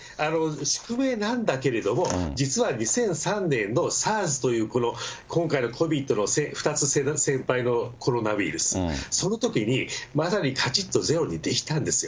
宿命なんだけれども、実は２００３年のＳＡＲＳという、今回のＣＯＶＩＤの２つ先発のコロナウイルス、そのときにまさにかちっとゼロにできたんですよ。